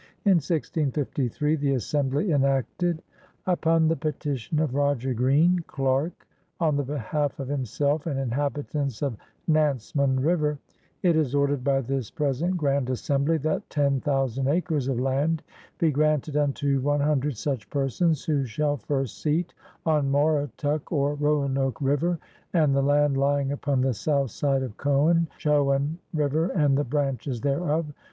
In 165S the Assembly enacted: '"Upon the petition of Roger Green, darke, on the behalf e of himself e and inhabitants of Nansemund river, It is ordered by this present Grand Assembly that tenn thousand acres of land be granted unto one hundred such persons who shall first seate on Moratuck or Roanoke river and the land lying upon the south side of Choan river and the branches thereof.